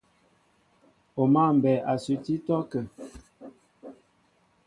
O mǎ mbɛɛ a suti ítɔ́kə́ə́.